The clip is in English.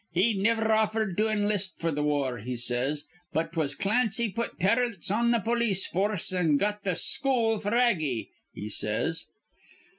'He niver offered to enlist for th' war,' he says, 'but 'twas Clancy put Terence on th' polis foorce an' got th' school f'r Aggie,' he says.